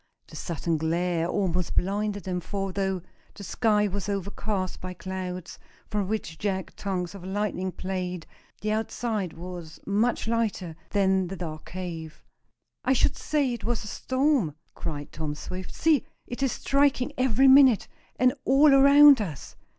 The sudden glare almost blinded them, for, though the sky was overcast by clouds, from which jagged tongues of lightning played, the outside was much lighter than the dark cave. "I should say it was a storm!" cried Tom Swift. "See, it is striking every minute, and all around us!"